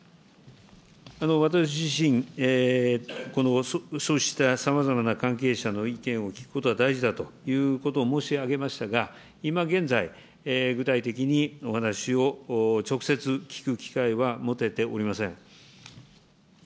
私自身、このそうしたさまざまな関係者の意見を聞くことは大事だということを申し上げましたが、今現在、具体的にお話を直接聞く機会は持てておりません。